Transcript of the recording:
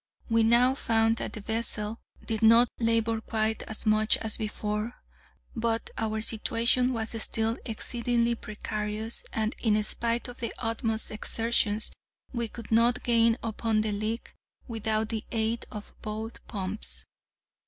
We now found that the vessel did not labour quite as much as before, but our situation was still exceedingly precarious, and in spite of the utmost exertions, we could not gain upon the leak without the aid of both pumps.